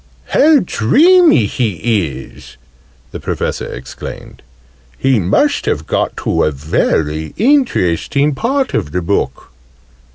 "How dreamy he is!" the Professor exclaimed. "He must have got to a very interesting part of the book!"